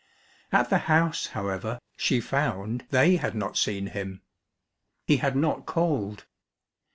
At the house, however, she found they had not seen him. He had not called.